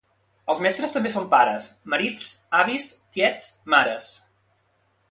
Els mestres són també pares, marits, avis, tiets, mares.